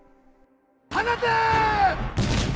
放て！